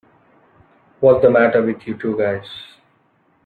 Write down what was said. What's the matter with you two guys?